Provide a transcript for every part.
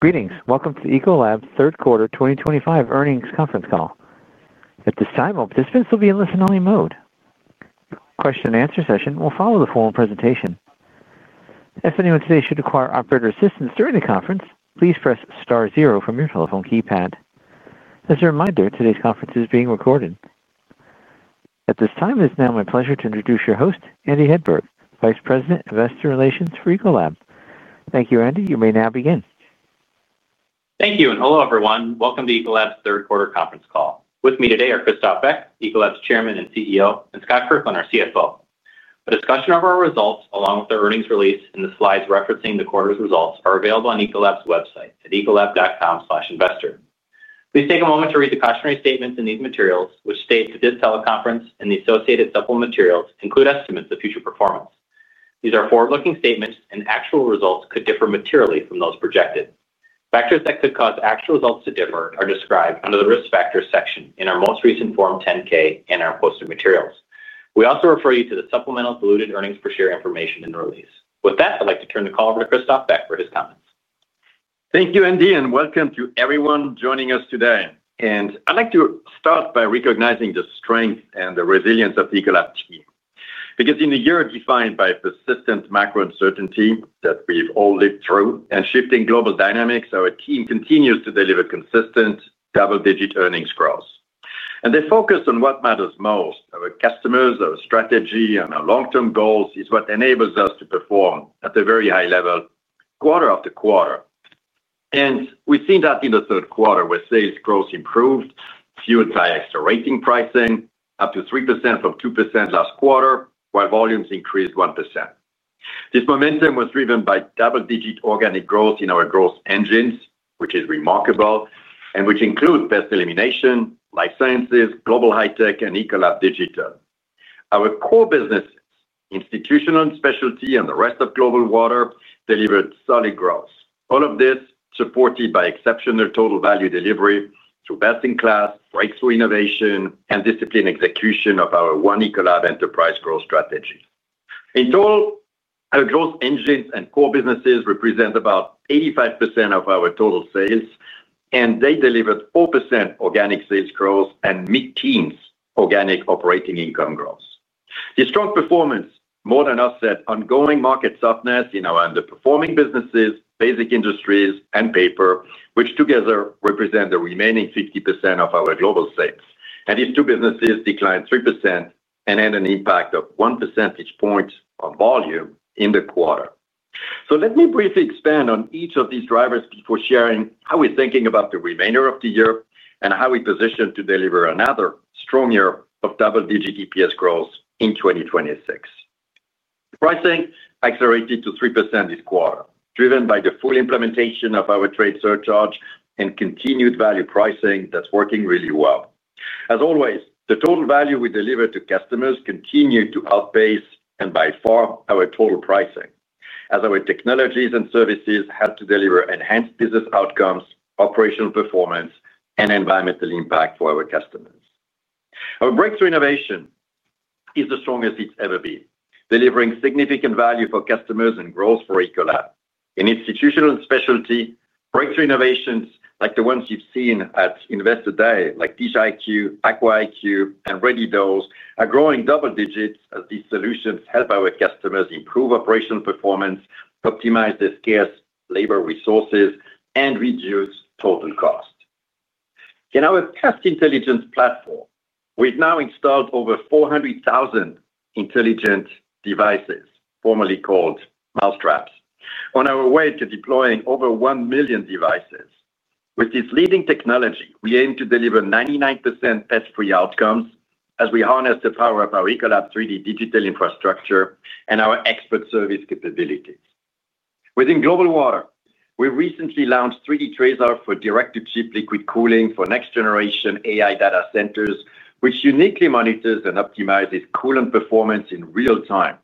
Greetings. Welcome to the Ecolab third quarter 2025 earnings conference call. At this time, all participants will be in listen-only mode. A question and answer session will follow the formal presentation. If anyone today should require operator assistance during the conference, please press star zero from your telephone keypad. As a reminder, today's conference is being recorded. At this time, it is now my pleasure to introduce your host, Andy Hedberg, Vice President of Investor Relations for Ecolab. Thank you, Andy. You may now begin. Thank you, and hello everyone. Welcome to Ecolab's third quarter conference call. With me today are Christophe Beck, Ecolab's Chairman and CEO, and Scott Kirkland, our CFO. A discussion of our results, along with the earnings release and the slides referencing the quarter's results, are available on Ecolab's website at ecolab.com/investor. Please take a moment to read the customary statements in these materials, which state that this teleconference and the associated supplement materials include estimates of future performance. These are forward-looking statements, and actual results could differ materially from those projected. Factors that could cause actual results to differ are described under the risk factors section in our most recent Form 10-K and our posted materials. We also refer you to the supplemental diluted earnings per share information in the release. With that, I'd like to turn the call over to Christophe Beck for his comments. Thank you, Andy, and welcome to everyone joining us today. I'd like to start by recognizing the strength and the resilience of the Ecolab team. In a year defined by persistent macro uncertainty that we've all lived through and shifting global dynamics, our team continues to deliver consistent double-digit earnings growth. They focus on what matters most: our customers, our strategy, and our long-term goals, which is what enables us to perform at a very high level quarter after quarter. We've seen that in the third quarter where sales growth improved, fueled by accelerating pricing, up to 3% from 2% last quarter, while volumes increased 1%. This momentum was driven by double-digit organic growth in our growth engines, which is remarkable, and which includes Pest Elimination, Life Sciences, Global High-Tech, and Ecolab Digital. Our core businesses, Institutional and Specialty, and the rest of Global Water delivered solid growth. All of this was supported by exceptional total value delivery through best-in-class, breakthrough innovation, and disciplined execution of our One Ecolab enterprise growth strategy. In total, our growth engines and core businesses represent about 85% of our total sales, and they delivered 4% organic sales growth and mid-teens organic operating income growth. The strong performance more than offset ongoing market softness in our underperforming businesses, Basic Industries and Paper, which together represent the remaining 15% of our global sales. These two businesses declined 3% and had an impact of 1 percentage point on volume in the quarter. Let me briefly expand on each of these drivers before sharing how we're thinking about the remainder of the year and how we are positioned to deliver another strong year of double-digit EPS growth in 2026. Pricing accelerated to 3% this quarter, driven by the full implementation of our trade surcharge and continued value pricing that's working really well. As always, the total value we deliver to customers continued to outpace, and by far, our total pricing, as our technologies and services had to deliver enhanced business outcomes, operational performance, and environmental impact for our customers. Our breakthrough innovation is the strongest it's ever been, delivering significant value for customers and growth for Ecolab. In Institutional and Specialty, breakthrough innovations like the ones you've seen at Investor Day, like DigiQ, AquaIQ, and ReadyDose, are growing double-digits as these solutions help our customers improve operational performance, optimize their scarce labor resources, and reduce total cost. In our Pest Intelligence platform, we've now installed over 400,000 intelligent devices, formerly called mousetraps, on our way to deploying over 1 million devices. With this leading technology, we aim to deliver 99% pest-free outcomes as we harness the power of our Ecolab 3D digital infrastructure and our expert service capabilities. Within Global Water, we recently launched 3D Trezor for direct-to-chip liquid cooling for next-generation AI data centers, which uniquely monitors and optimizes coolant performance in real time.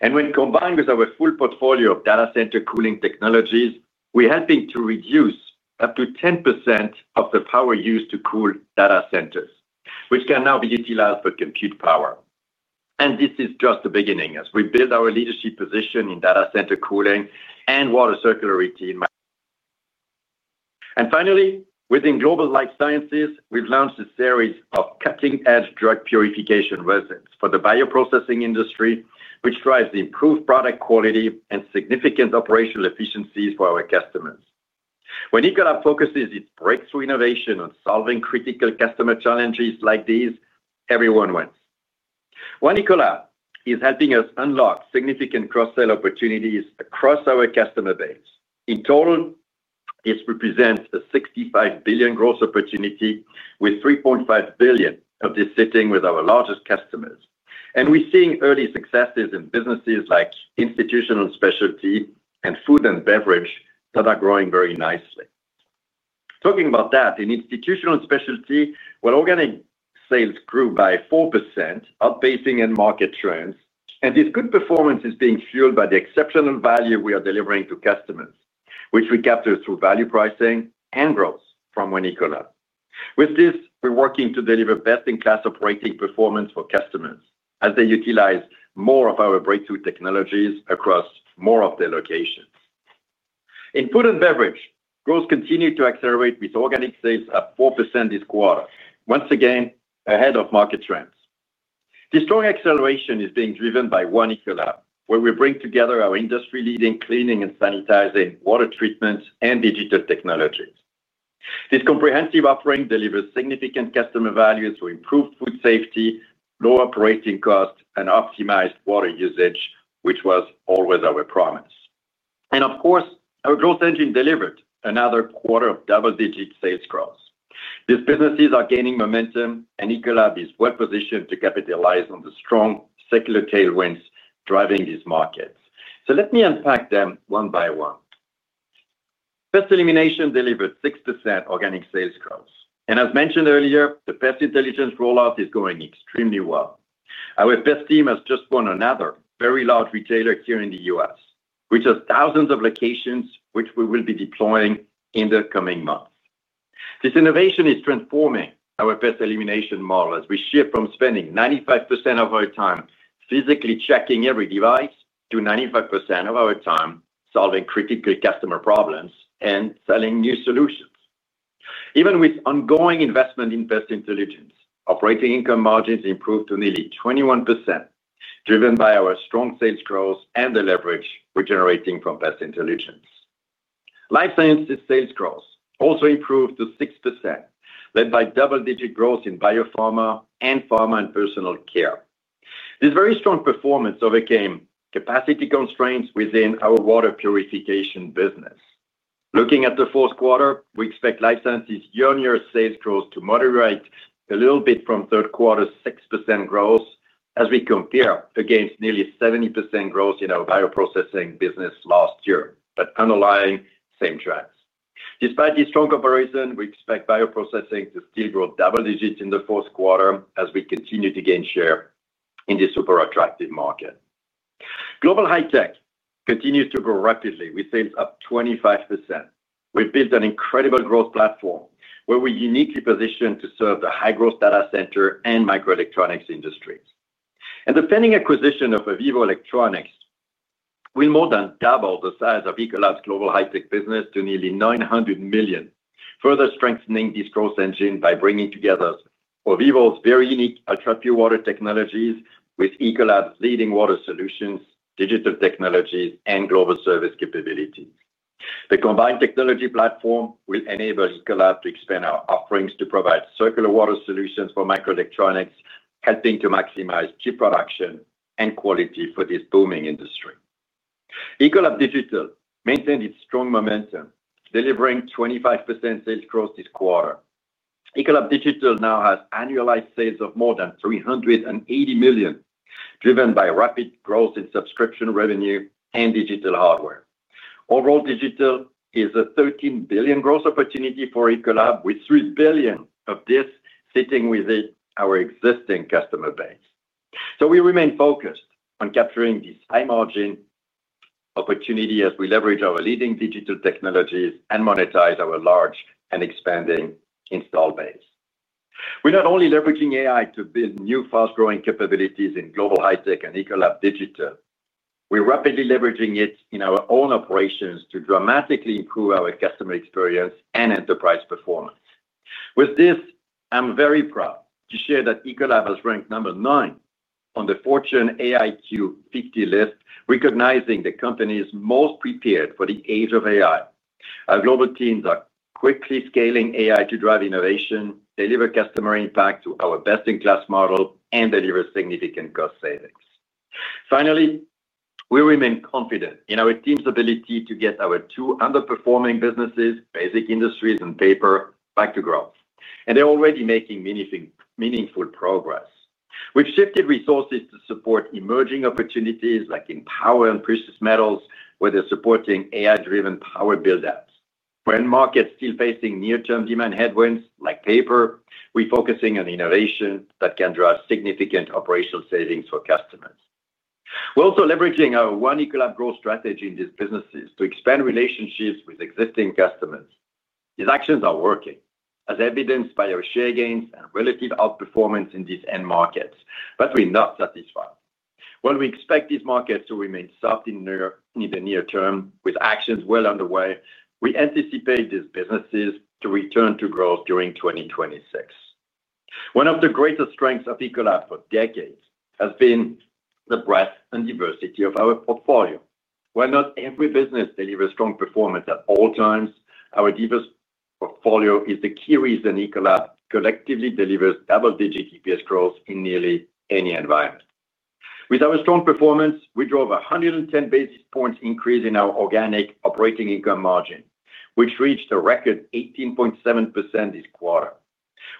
When combined with our full portfolio of data center cooling technologies, we're helping to reduce up to 10% of the power used to cool data centers, which can now be utilized for compute power. This is just the beginning as we build our leadership position in data center cooling and water circularity in mind. Finally, within Global Life Sciences, we've launched a series of cutting-edge drug purification resins for the bioprocessing industry, which drives improved product quality and significant operational efficiencies for our customers. When Ecolab focuses its breakthrough innovation on solving critical customer challenges like these, everyone wins. One Ecolab is helping us unlock significant cross-sale opportunities across our customer base. In total, it represents a $65 billion growth opportunity, with $3.5 billion of this sitting with our largest customers. We're seeing early successes in businesses like Institutional and Specialty and Food and Beverage that are growing very nicely. Talking about that, in Institutional and Specialty, while organic sales grew by 4%, outpacing in market trends, this good performance is being fueled by the exceptional value we are delivering to customers, which we capture through value pricing and growth from One Ecolab. With this, we're working to deliver best-in-class operating performance for customers as they utilize more of our breakthrough technologies across more of their locations. In Food and Beverage, growth continued to accelerate with organic sales up 4% this quarter, once again ahead of market trends. This strong acceleration is being driven by One Ecolab, where we bring together our industry-leading cleaning and sanitizing, water treatments, and digital technologies. This comprehensive offering delivers significant customer value through improved food safety, lower operating costs, and optimized water usage, which was always our promise. Our growth engine delivered another quarter of double-digit sales growth. These businesses are gaining momentum, and Ecolab is well-positioned to capitalize on the strong secular tailwinds driving these markets. Let me unpack them one by one. Pest Elimination delivered 6% organic sales growth. As mentioned earlier, the Pest Intelligence rollout is going extremely well. Our pest team has just won another very large retailer here in the U.S., which has thousands of locations where we will be deploying in the coming months. This innovation is transforming our Pest Elimination model as we shift from spending 95% of our time physically checking every device to 95% of our time solving critical customer problems and selling new solutions. Even with ongoing investment in Pest Intelligence, operating income margins improved to nearly 21%, driven by our strong sales growth and the leverage we're generating from Pest Intelligence. Life Sciences sales growth also improved to 6%, led by double-digit growth in biopharma and pharma and personal care. This very strong performance overcame capacity constraints within our water purification business. Looking at the fourth quarter, we expect Life Sciences year-on-year sales growth to moderate a little bit from third quarter's 6% growth as we compare against nearly 70% growth in our bioprocessing business last year, but underlying same trends. Despite this strong comparison, we expect bioprocessing to still grow double-digits in the fourth quarter as we continue to gain share in this super attractive market. Global High-Tech continues to grow rapidly with sales up 25%. We've built an incredible growth platform where we're uniquely positioned to serve the high growth data center and microelectronics industries. The pending acquisition of AVEVA Electronics will more than double the size of Ecolab's Global High-Tech business to nearly $900 million, further strengthening this growth engine by bringing together AVEVA's very unique attractive water technologies with Ecolab's leading water solutions, digital technologies, and global service capabilities. The combined technology platform will enable Ecolab to expand our offerings to provide circular water solutions for microelectronics, helping to maximize chip production and quality for this booming industry. Ecolab Digital maintained its strong momentum, delivering 25% sales growth this quarter. Ecolab Digital now has annualized sales of more than $380 million, driven by rapid growth in subscription revenue and digital hardware. Overall, digital is a $13 billion growth opportunity for Ecolab, with $3 billion of this sitting within our existing customer base. We remain focused on capturing this high margin opportunity as we leverage our leading digital technologies and monetize our large and expanding install base. We're not only leveraging AI to build new fast-growing capabilities in Global High-Tech and Ecolab Digital, we're rapidly leveraging it in our own operations to dramatically improve our customer experience and enterprise performance. With this, I'm very proud to share that Ecolab has ranked number nine on the Fortune AIQ 50 list, recognizing the companies most prepared for the age of AI. Our global teams are quickly scaling AI to drive innovation, deliver customer impact to our best-in-class model, and deliver significant cost savings. Finally, we remain confident in our team's ability to get our two underperforming businesses, Basic Industries and Paper, back to growth. They're already making meaningful progress. We've shifted resources to support emerging opportunities like in power and precious metals, where they're supporting AI-driven power build-ups. When markets are still facing near-term demand headwinds like paper, we're focusing on innovation that can drive significant operational savings for customers. We're also leveraging our One Ecolab growth strategy in these businesses to expand relationships with existing customers. These actions are working, as evidenced by our share gains and relative outperformance in these end markets, but we're not satisfied. While we expect these markets to remain soft in the near-term, with actions well underway, we anticipate these businesses to return to growth during 2026. One of the greatest strengths of Ecolab for decades has been the breadth and diversity of our portfolio. While not every business delivers strong performance at all times, our diverse portfolio is the key reason Ecolab collectively delivers double-digit EPS growth in nearly any environment. With our strong performance, we drove a 110 basis points increase in our organic operating income margin, which reached a record 18.7% this quarter.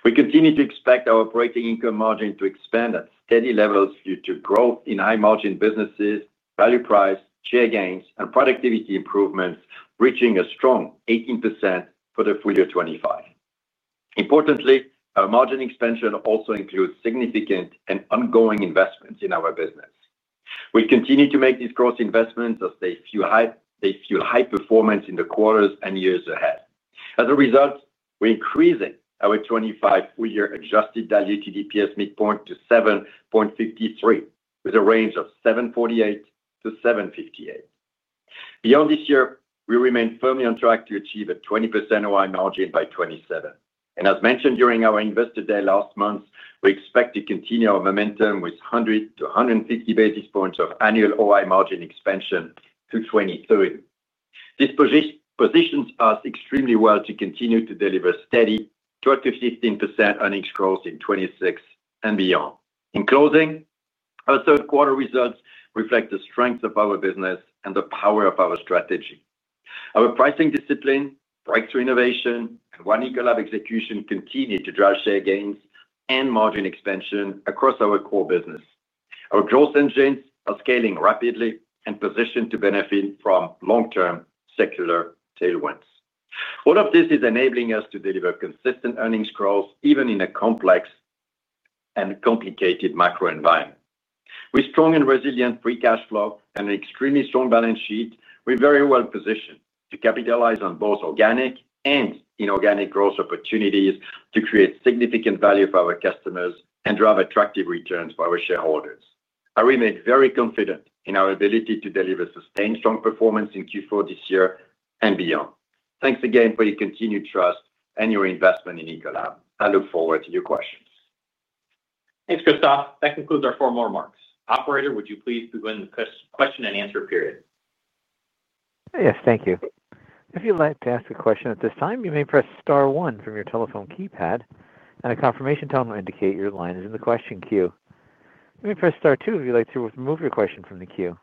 We continue to expect our operating income margin to expand at steady levels due to growth in high-margin businesses, value pricing, share gains, and productivity improvements, reaching a strong 18% for the full year 2025. Importantly, our margin expansion also includes significant and ongoing investments in our business. We continue to make these growth investments as they fuel high performance in the quarters and years ahead. As a result, we're increasing our 2025 full year adjusted diluted EPS midpoint to $7.53, with a range of $7.48-$7.58. Beyond this year, we remain firmly on track to achieve a 20% OI margin by 2027. As mentioned during our Investor Day last month, we expect to continue our momentum with 100-150 basis points of annual OI margin expansion through 2023. This positions us extremely well to continue to deliver steady 12%-15% earnings growth in 2026 and beyond. In closing, our third quarter results reflect the strength of our business and the power of our strategy. Our pricing discipline, breakthrough innovation, and One Ecolab execution continue to drive share gains and margin expansion across our core business. Our growth engines are scaling rapidly and positioned to benefit from long-term secular tailwinds. All of this is enabling us to deliver consistent earnings growth, even in a complex and complicated macro environment. With strong and resilient free cash flow and an extremely strong balance sheet, we're very well-positioned to capitalize on both organic and inorganic growth opportunities to create significant value for our customers and drive attractive returns for our shareholders. I remain very confident in our ability to deliver sustained strong performance in Q4 this year and beyond. Thanks again for your continued trust and your investment in Ecolab. I look forward to your questions. Thanks, Christophe. That concludes our formal remarks. Operator, would you please begin the question-and-answer period? Yes, thank you. If you'd like to ask a question at this time, you may press star one from your telephone keypad, and a confirmation tone will indicate your line is in the question queue. You may press star two if you'd like to remove your question from the queue.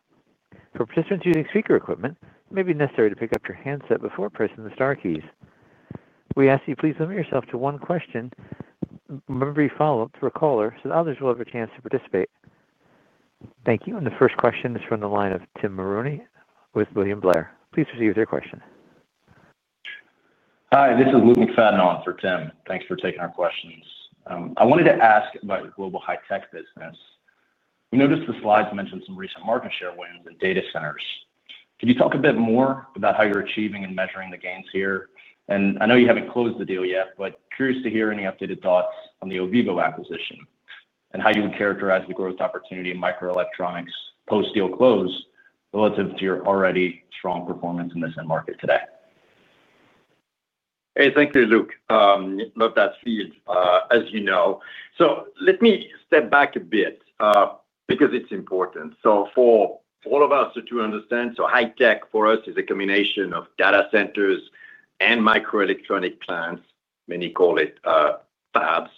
For participants using speaker equipment, it may be necessary to pick up your handset before pressing the star keys. We ask that you please limit yourself to one question. Remember, you follow up through a caller so that others will have a chance to participate. Thank you. The first question is from the line of Tim Mulrooney with William Blair. Please proceed with your question. Hi, this is Luke McFadden on for Tim. Thanks for taking our questions. I wanted to ask about your Global High-Tech business. We noticed the slides mentioned some recent market share wins in data centers. Could you talk a bit more about how you're achieving and measuring the gains here? I know you haven't closed the deal yet, but I'm curious to hear any updated thoughts on the AVEVA acquisition and how you would characterize the growth opportunity in microelectronics post-deal close relative to your already strong performance in this end market today. Hey, thank you, Luke. I love that feed, as you know. Let me step back a bit because it's important. For all of us to understand, high tech for us is a combination of data centers and microelectronic plants. Many call it fabs,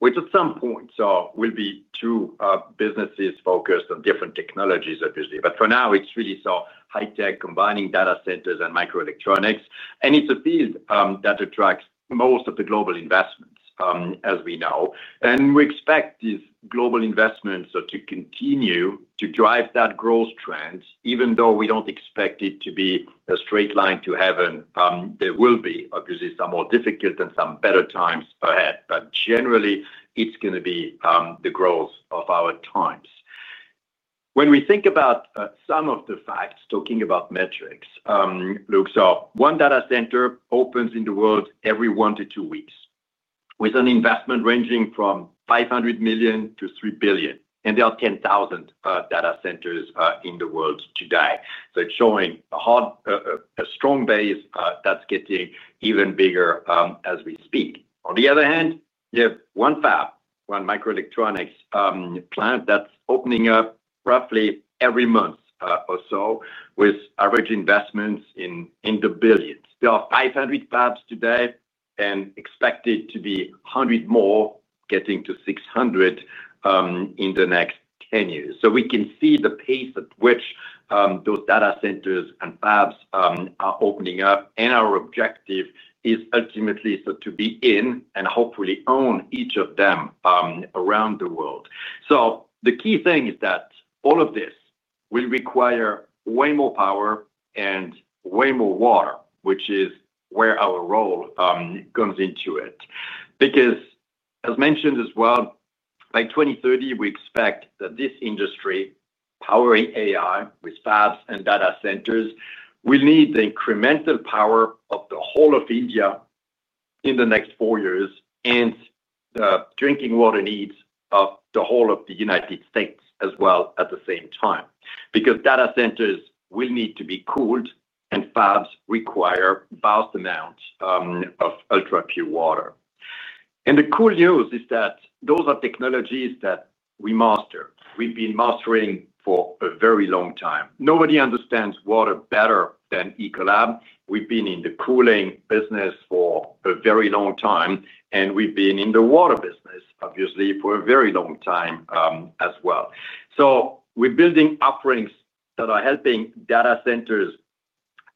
which at some point will be two businesses focused on different technologies, obviously. For now, it's really high tech combining data centers and microelectronics. It's a field that attracts most of the global investments, as we know. We expect these global investments to continue to drive that growth trend, even though we don't expect it to be a straight line to heaven. There will be, obviously, some more difficult and some better times ahead. Generally, it's going to be the growth of our times. When we think about some of the facts, talking about metrics, Luke, one data center opens in the world every one to two weeks, with an investment ranging from $500 million-$3 billion. There are 10,000 data centers in the world today. It's showing a strong base that's getting even bigger as we speak. On the other hand, you have one fab, one microelectronics plant that's opening up roughly every month or so, with average investments in the billion. There are 500 fabs today and expected to be 100 more, getting to 600 in the next 10 years. We can see the pace at which those data centers and fabs are opening up. Our objective is ultimately to be in and hopefully own each of them around the world. The key thing is that all of this will require way more power and way more water, which is where our role comes into it. As mentioned as well, by 2030, we expect that this industry powering AI with fabs and data centers will need the incremental power of the whole of India in the next four years and the drinking water needs of the whole of the United States as well at the same time. Data centers will need to be cooled, and fabs require vast amounts of ultra-pure water. The cool news is that those are technologies that we master. We've been mastering for a very long time. Nobody understands water better than Ecolab. We've been in the cooling business for a very long time, and we've been in the water business, obviously, for a very long time as well. We're building offerings that are helping data centers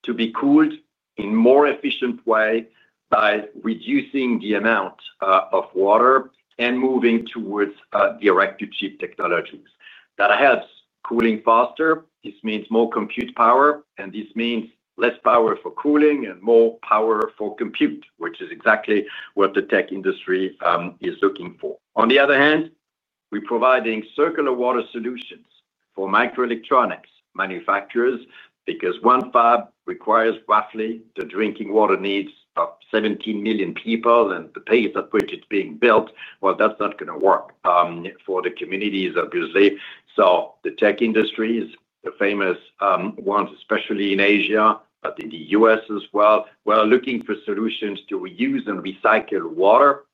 to be cooled in a more efficient way by reducing the amount of water and moving towards direct-to-chip technologies. That helps cooling faster. This means more compute power, and this means less power for cooling and more power for compute, which is exactly what the tech industry is looking for. On the other hand, we're providing circular water solutions for microelectronics manufacturers because one fab requires roughly the drinking water needs of 17 million people, and the pace at which it's being built, that's not going to work for the communities, obviously. The tech industries, the famous ones, especially in Asia, but in the U.S. as well, are looking for solutions to reuse and recycle water.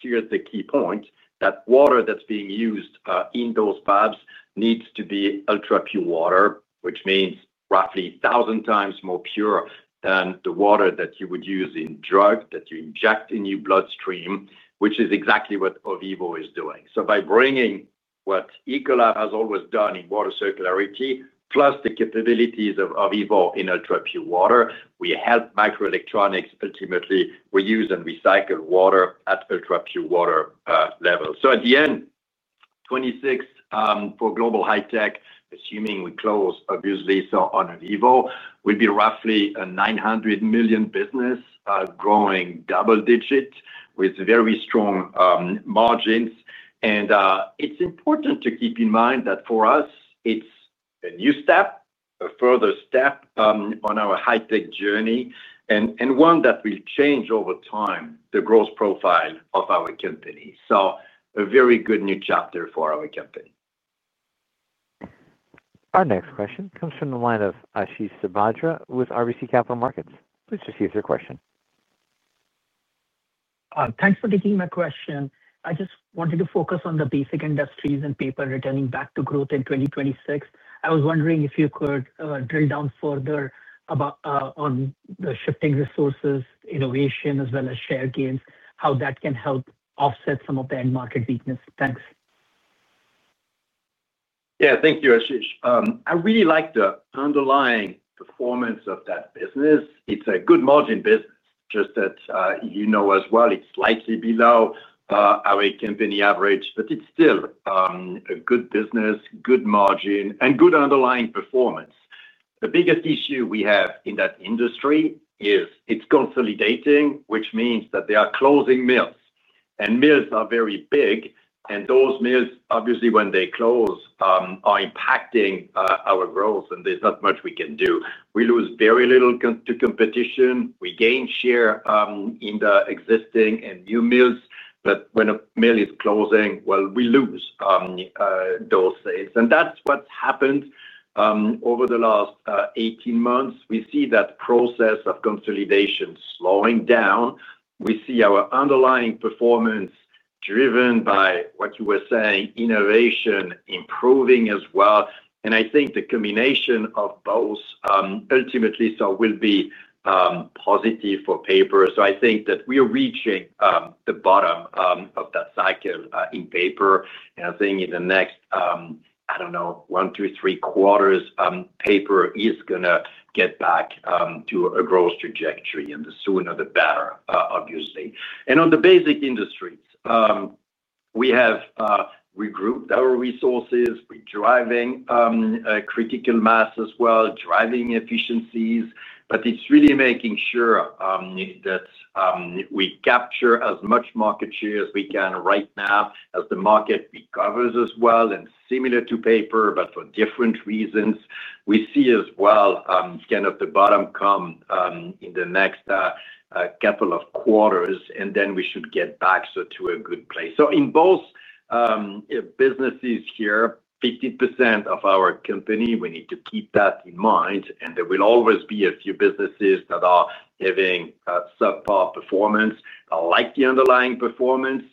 Here's the key point: that water that's being used in those fabs needs to be ultra-pure water, which means roughly 1,000x more pure than the water that you would use in drugs that you inject in your bloodstream, which is exactly what AVEVA is doing. By bringing what Ecolab has always done in water circularity, plus the capabilities of AVEVA in ultra-pure water, we help microelectronics ultimately reuse and recycle water at ultra-pure water levels. At the end, 2026 for Global High-Tech, assuming we close, obviously, on AVEVA, will be roughly a $900 million business growing double digit with very strong margins. It's important to keep in mind that for us, it's a new step, a further step on our high tech journey, and one that will change over time the growth profile of our company. A very good new chapter for our company. Our next question comes from the line of Ashish Sabadra with RBC Capital Markets. Please proceed with your question. Thanks for taking my question. I just wanted to focus on the basic industries and paper returning back to growth in 2026. I was wondering if you could drill down further about the shifting resources, innovation, as well as share gains, how that can help offset some of the end market weakness. Thanks. Yeah, thank you, Ashish. I really like the underlying performance of that business. It's a good margin business, just that you know as well, it's slightly below our company average, but it's still a good business, good margin, and good underlying performance. The biggest issue we have in that industry is it's consolidating, which means that they are closing mills. Mills are very big, and those mills, obviously, when they close, are impacting our growth, and there's not much we can do. We lose very little to competition. We gain share in the existing and new mills, but when a mill is closing, we lose those sales. That's what's happened over the last 18 months. We see that process of consolidation slowing down. We see our underlying performance driven by what you were saying, innovation improving as well. I think the combination of both ultimately will be positive for paper. I think that we are reaching the bottom of that cycle in paper. I think in the next, I don't know, one, two, three quarters, paper is going to get back to a growth trajectory, and the sooner the better, obviously. On the basic industries, we have regrouped our resources, we're driving critical mass as well, driving efficiencies, but it's really making sure that we capture as much market share as we can right now as the market recovers as well, and similar to paper, but for different reasons. We see as well kind of the bottom come in the next couple of quarters, and then we should get back to a good place. In both businesses here, 15% of our company, we need to keep that in mind. There will always be a few businesses that are having subpar performance. I like the underlying performance.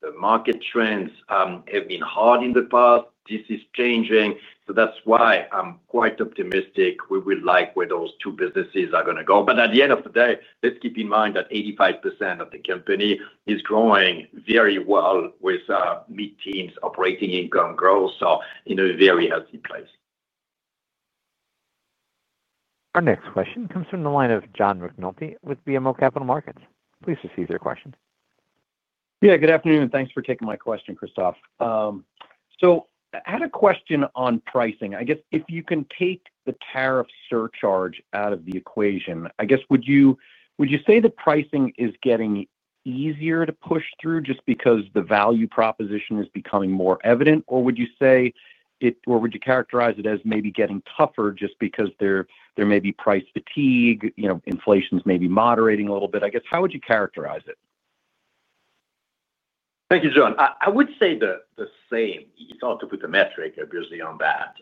The market trends have been hard in the past. This is changing. That's why I'm quite optimistic. We would like where those two businesses are going to go. At the end of the day, let's keep in mind that 85% of the company is growing very well with mid-teens operating income growth in a very healthy place. Our next question comes from the line of John McNulty with BMO Capital Markets. Please proceed with your question. Good afternoon, and thanks for taking my question, Christophe. I had a question on pricing. If you can take the tariff surcharge out of the equation, would you say that pricing is getting easier to push through just because the value proposition is becoming more evident, or would you characterize it as maybe getting tougher just because there may be price fatigue? Inflation's maybe moderating a little bit. How would you characterize it? Thank you, John. I would say the same. It's hard to put a metric, obviously, on that.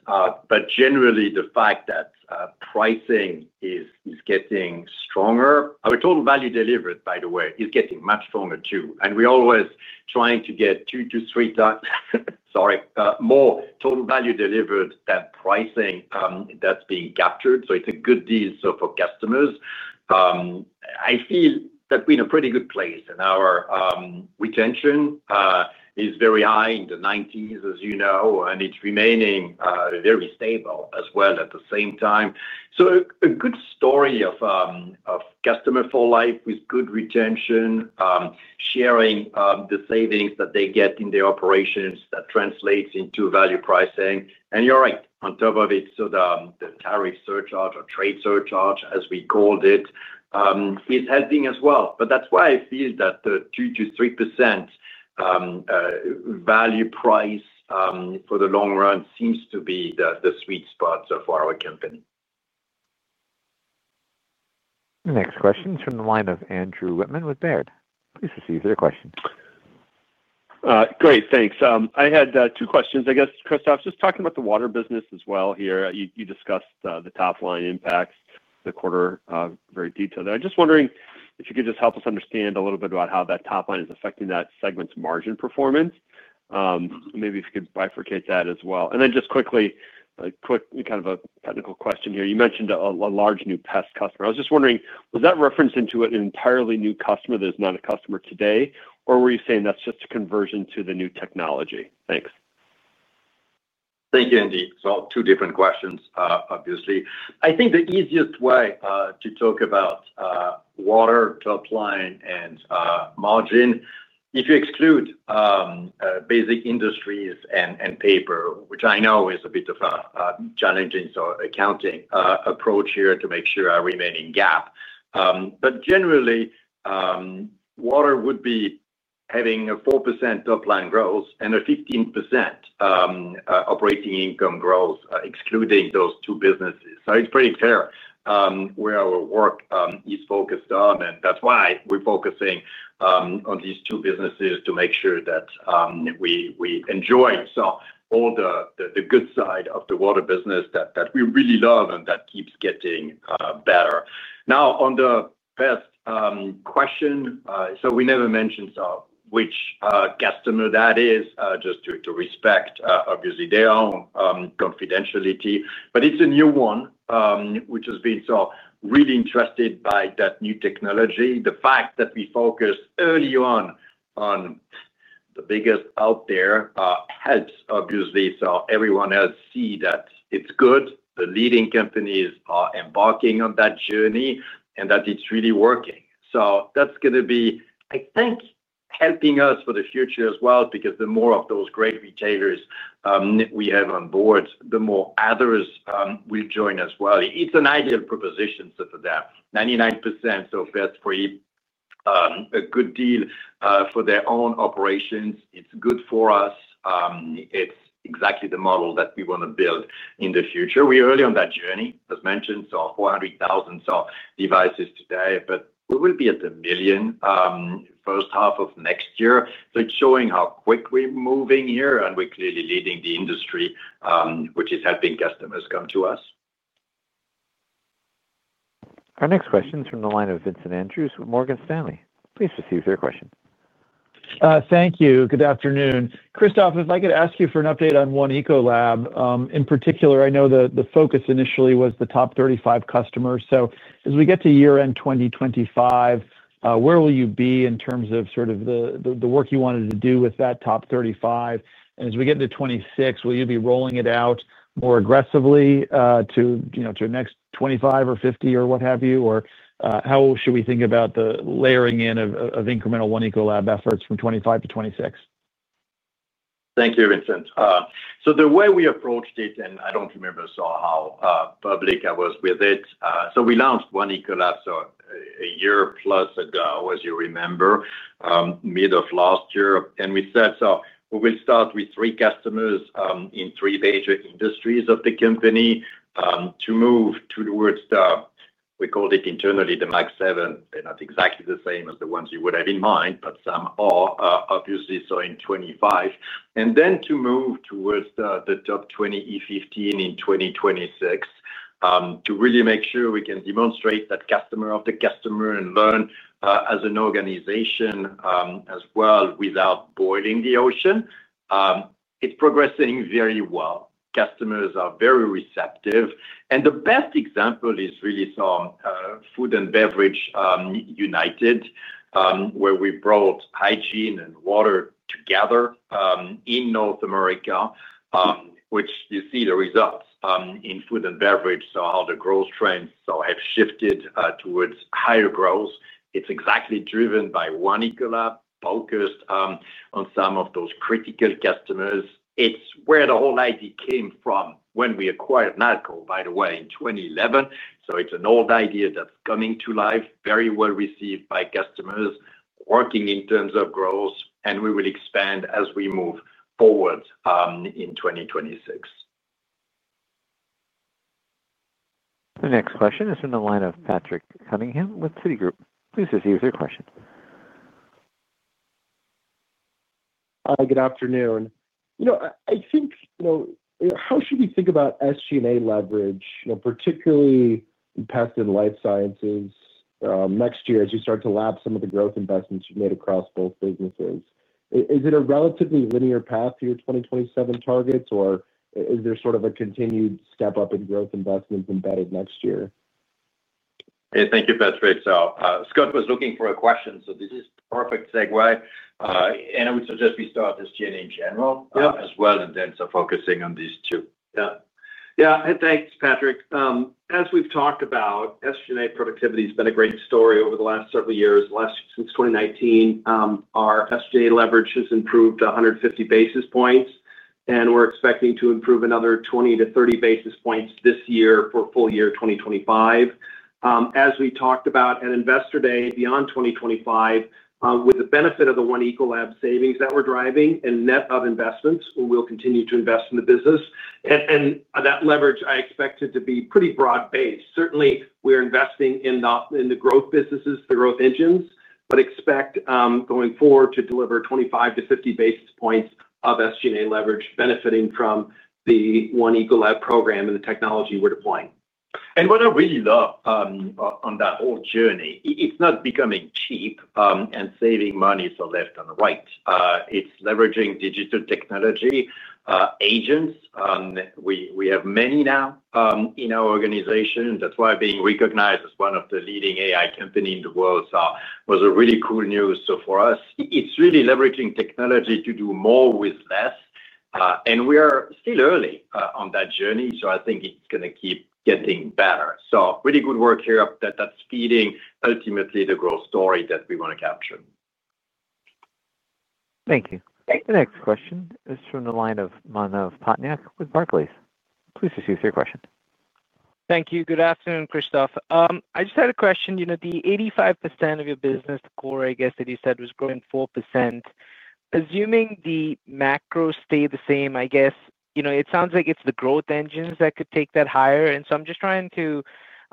Generally, the fact that pricing is getting stronger. Our total value delivered, by the way, is getting much stronger too. We're always trying to get 2x-3x more total value delivered than pricing that's being captured. It's a good deal for customers. I feel that we're in a pretty good place, and our retention is very high in the 90s, as you know, and it's remaining very stable as well at the same time. A good story of customer for life with good retention, sharing the savings that they get in their operations that translates into value pricing. You're right, on top of it, the tariff surcharge or trade surcharge, as we called it, is helping as well. That's why I feel that the 2%-3% value price for the long run seems to be the sweet spot for our company. Next question is from the line of Andrew Whitman with Baird. Please proceed with your question. Great, thanks. I had two questions, I guess, Christophe. Just talking about the water business as well here. You discussed the top line impacts the quarter very detailed there. I'm just wondering if you could just help us understand a little bit about how that top line is affecting that segment's margin performance. Maybe if you could bifurcate that as well. Then just quickly, a quick kind of a technical question here. You mentioned a large new pest customer. I was just wondering, was that referenced into an entirely new customer that is not a customer today, or were you saying that's just a conversion to the new technology? Thanks. Thank you, Andy. Two different questions, obviously. I think the easiest way to talk about water top line and margin, if you exclude basic industries and paper, which I know is a bit of a challenging accounting approach here to make sure I remain in GAAP. Generally, water would be having a 4% top line growth and a 15% operating income growth, excluding those two businesses. It's pretty clear where our work is focused on, and that's why we're focusing on these two businesses to make sure that we enjoy all the good side of the water business that we really love and that keeps getting better. On the first question, we never mention which customer that is, just to respect, obviously, their own confidentiality. It's a new one, which has been so really interested by that new technology. The fact that we focused early on on the biggest out there helps, obviously, so everyone else sees that it's good. The leading companies are embarking on that journey and that it's really working. That's going to be, I think, helping us for the future as well, because the more of those great retailers we have on board, the more others will join as well. It's an ideal proposition for them. 99% so fast for a good deal for their own operations. It's good for us. It's exactly the model that we want to build in the future. We're early on that journey, as mentioned, so 400,000 devices today, but we will be at a million first half of next year. It's showing how quickly we're moving here, and we're clearly leading the industry, which is helping customers come to us. Our next question is from the line of Vincent Andrews with Morgan Stanley. Please proceed with your question. Thank you. Good afternoon. Christophe, I'd like to ask you for an update on One Ecolab. In particular, I know the focus initially was the top 35 customers. As we get to year-end 2025, where will you be in terms of sort of the work you wanted to do with that top 35? As we get into 2026, will you be rolling it out more aggressively to your next 25 or 50 or what have you? How should we think about the layering in of incremental One Ecolab efforts from 2025 to 2026? Thank you, Vincent. The way we approached it, I don't remember how public I was with it. We launched One Ecolab a year plus ago, as you remember, mid of last year. We said we will start with three customers in three major industries of the company to move towards the, we called it internally, the max seven. They're not exactly the same as the ones you would have in mind, but some are, obviously, in 2025. To move towards the top 20 E15 in 2026 to really make sure we can demonstrate that customer of the customer and learn as an organization as well without boiling the ocean. It's progressing very well. Customers are very receptive. The best example is really some food and beverage united, where we brought hygiene and water together in North America, which you see the results in food and beverage, how the growth trends have shifted towards higher growth. It's exactly driven by One Ecolab, focused on some of those critical customers. It's where the whole idea came from when we acquired Nalco, by the way, in 2011. It's an old idea that's coming to life, very well received by customers, working in terms of growth, and we will expand as we move forward in 2026. The next question is from the line of Patrick Cunningham with Citi. Please proceed with your question. Hi, good afternoon. How should we think about SG&A leverage, particularly in Pest and Life Sciences next year as you start to lap some of the growth investments you've made across both businesses? Is it a relatively linear path to your 2027 targets, or is there sort of a continued step up in growth investments embedded next year? Thank you, Patrick. Scott was looking for a question, this is a perfect segue. I would suggest we start SG&A in general as well, then start focusing on these two. Yeah. Yeah, hey, thanks, Patrick. As we've talked about, SG&A productivity has been a great story over the last several years. Since 2019, our SG&A leverage has improved 150 basis points, and we're expecting to improve another 20-30 basis points this year for full year 2025. As we talked about at Investor Day beyond 2025, with the benefit of the One Ecolab savings that we're driving and net of investments, we'll continue to invest in the business. That leverage, I expect it to be pretty broad-based. Certainly, we're investing in the growth businesses, the growth engines, but expect going forward to deliver 25-50 basis points of SG&A leverage benefiting from the One Ecolab program and the technology we're deploying. What I really love on that whole journey, it's not becoming cheap and saving money left and right. It's leveraging digital technology, agents. We have many now in our organization. That is why being recognized as one of the leading AI companies in the world was really cool news. For us, it's really leveraging technology to do more with less. We are still early on that journey, so I think it's going to keep getting better. Really good work here that's feeding ultimately the growth story that we want to capture. Thank you. The next question is from the line of Manav Patnaik with Barclays. Please proceed with your question. Thank you. Good afternoon, Christophe. I just had a question. The 85% of your business, the core, I guess, that you said was growing 4%. Assuming the macro stay the same, it sounds like it's the growth engines that could take that higher. I'm just trying to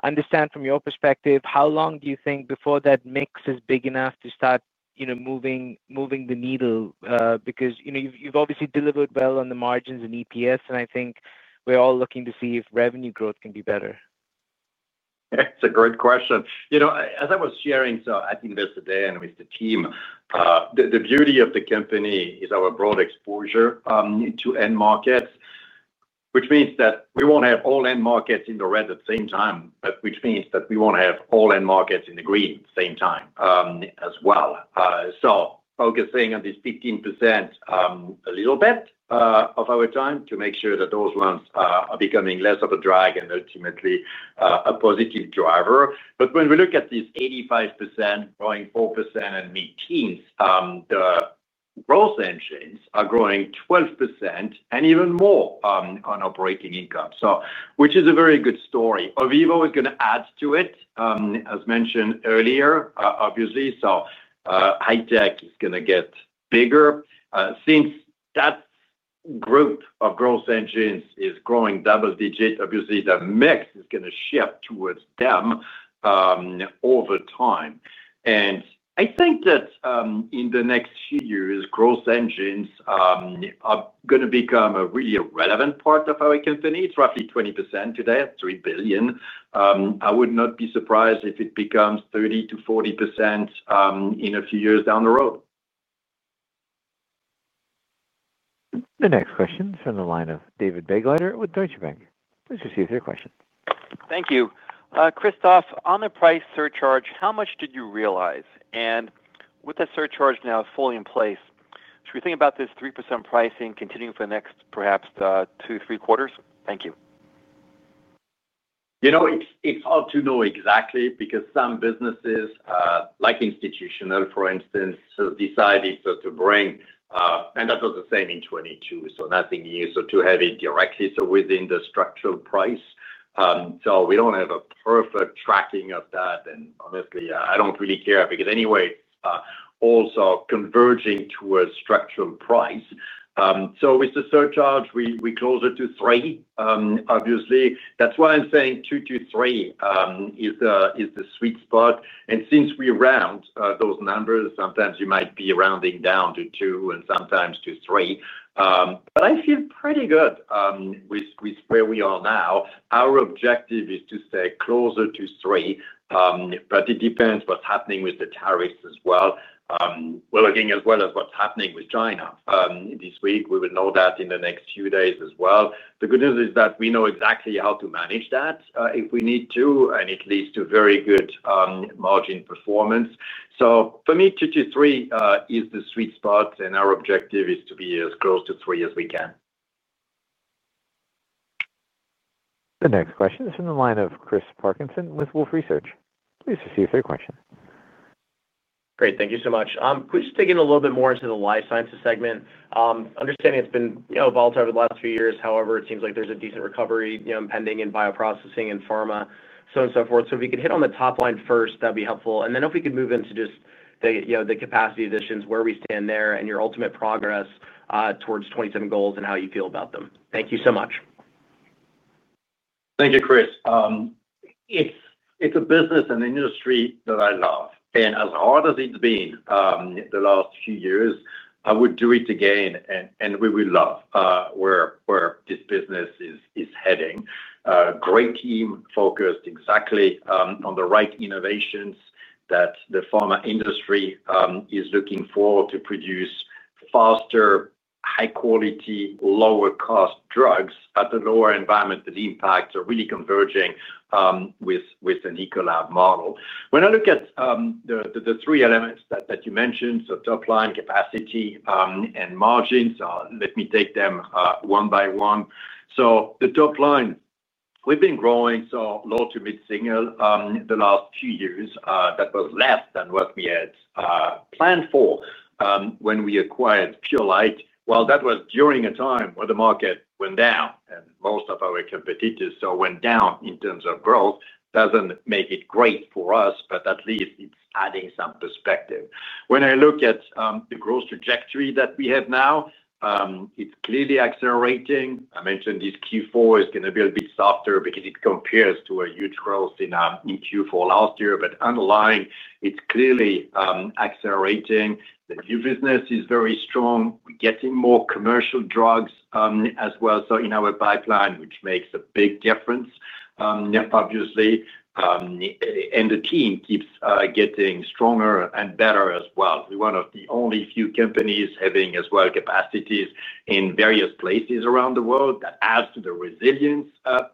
understand from your perspective, how long do you think before that mix is big enough to start moving the needle? You've obviously delivered well on the margins and EPS, and I think we're all looking to see if revenue growth can be better. Yeah, it's a great question. You know, as I was sharing at the Investor Day and with the team, the beauty of the company is our broad exposure to end markets, which means that we won't have all end markets in the red at the same time, which means that we won't have all end markets in the green at the same time as well. Focusing on this 15% a little bit of our time to make sure that those ones are becoming less of a drag and ultimately a positive driver. When we look at this 85% growing 4% and mid-teens, the growth engines are growing 12% and even more on operating income, which is a very good story. AVEVA Electronics is going to add to it, as mentioned earlier, obviously. High tech is going to get bigger. Since that group of growth engines is growing double digit, obviously, the mix is going to shift towards them over time. I think that in the next few years, growth engines are going to become a really relevant part of our company. It's roughly 20% today, $3 billion. I would not be surprised if it becomes 30%-40% in a few years down the road. The next question is from the line of David Begleiter with Deutsche Bank. Please proceed with your question. Thank you. Christophe, on the price surcharge, how much did you realize? With the surcharge now fully in place, should we think about this 3% pricing continuing for the next perhaps two to three quarters? Thank you. You know, it's hard to know exactly because some businesses, like Institutional, for instance, decided to bring, and that was the same in 2022, so nothing new, to have it directly within the structural price. We don't have a perfect tracking of that. Honestly, I don't really care because anyway, also converging towards structural price. With the surcharge, we're closer to 3%, obviously. That's why I'm saying 2%-3% is the sweet spot. Since we round those numbers, sometimes you might be rounding down to 2% and sometimes to 3%. I feel pretty good with where we are now. Our objective is to stay closer to 3%, but it depends what's happening with the tariffs as well, as well as what's happening with China. This week, we will know that in the next few days as well. The good news is that we know exactly how to manage that if we need to, and it leads to very good margin performance. For me, 2%-3% is the sweet spot, and our objective is to be as close to 3% as we can. The next question is from the line of Chris Parkinson with Wolfe Research. Please proceed with your question. Great, thank you so much. I'm quick to dig in a little bit more into the Life Sciences Segment. Understanding it's been volatile over the last few years. However, it seems like there's a decent recovery pending in bioprocessing and pharma, so on and so forth. If we could hit on the top line first, that'd be helpful. If we could move into just the capacity additions, where we stand there, and your ultimate progress towards 2027 goals and how you feel about them. Thank you so much. Thank you, Chris. It's a business and industry that I love. As hard as it's been the last few years, I would do it again, and we would love where this business is heading. Great team focused exactly on the right innovations that the pharma industry is looking for to produce faster, high-quality, lower-cost drugs at a lower environment. The impacts are really converging with an Ecolab model. When I look at the three elements that you mentioned, top line, capacity, and margins, let me take them one by one. The top line, we've been growing low to mid-single the last few years. That was less than what we had planned for when we acquired Purolite. That was during a time where the market went down, and most of our competitors went down in terms of growth. It doesn't make it great for us, but at least it's adding some perspective. When I look at the growth trajectory that we have now, it's clearly accelerating. I mentioned this Q4 is going to be a bit softer because it compares to a huge growth in Q4 last year. Underlying, it's clearly accelerating. The new business is very strong. We're getting more commercial drugs as well in our pipeline, which makes a big difference, obviously. The team keeps getting stronger and better as well. We're one of the only few companies having as well capacities in various places around the world. That adds to the resilience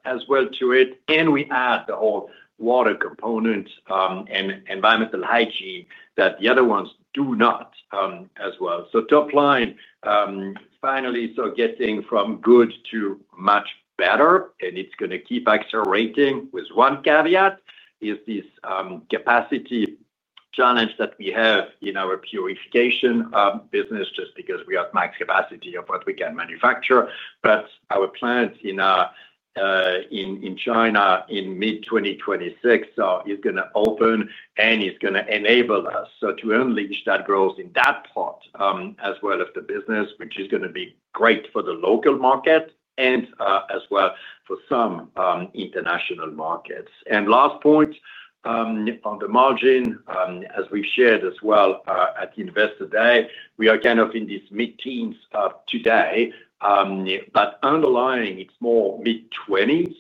as well to it. We add the whole water component and environmental hygiene that the other ones do not as well. Top line, finally, getting from good to much better, and it's going to keep accelerating with one caveat: this capacity challenge that we have in our purification business just because we have max capacity of what we can manufacture. Our plants in China in mid-2026 are going to open and are going to enable us to unleash that growth in that part as well of the business, which is going to be great for the local market and as well for some international markets. Last point on the margin, as we've shared as well at the Investor Day, we are kind of in this mid-teens of today. Underlying, it's more mid-2020s